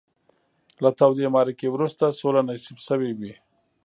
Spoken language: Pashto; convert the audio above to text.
له تودې معرکې وروسته سوله نصیب شوې وي.